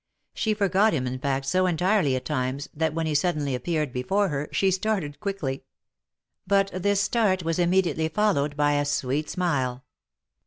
She forgot him in fact so entirely at times, that when he suddenly appeared before her, she started quickly; but this start was immediately followed by a sweet smile.